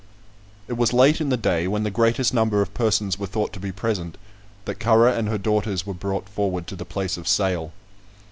It was late in the day, when the greatest number of persons were thought to be present, that Currer and her daughters were brought forward to the place of sale.